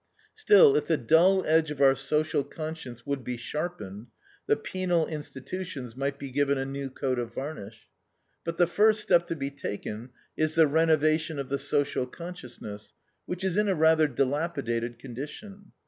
Still, if the dull edge of our social conscience would be sharpened, the penal institutions might be given a new coat of varnish. But the first step to be taken is the renovation of the social consciousness, which is in a rather dilapidated condition.